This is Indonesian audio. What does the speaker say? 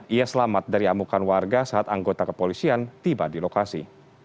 ia selamat dari amukan warga saat anggota kepolisian tiba di lokasi